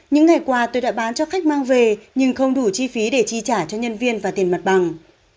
những ngày qua tôi đã bán cho khách mang về nhưng không đủ chi phí để chi trả cho nhân viên và tiền mặt bằng